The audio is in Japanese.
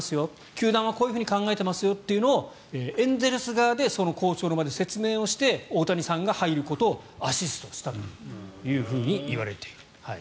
球団はこう考えてますよというのをエンゼルス側でその交渉の場で説明をして大谷さんが入ることをアシストしたといわれている。